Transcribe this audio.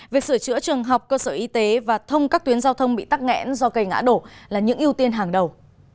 việc sửa chữa trường học cơ sở y tế và thông các tuyến giao thông bị tắt ngẽn do cây ngã đổ là những ưu tiên hàng đầu